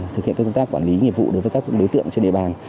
thực hiện công tác quản lý nghiệp vụ đối với các đối tượng trên địa bàn